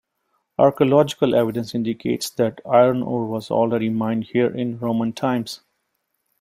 Archaeological evidence indicates that iron ore was already mined here in Roman times.